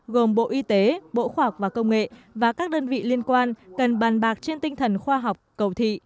gồm bộ y tế bộ khoa học và công nghệ và các đơn vị liên quan cần bàn bạc trên tinh thần khoa học cầu thị